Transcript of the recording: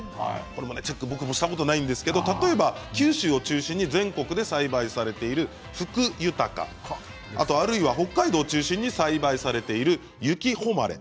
これは僕もチェックしたことないんですが例えば九州を中心に全国で栽培されているフクユタカあるいは北海道を中心に栽培されているユキホマレ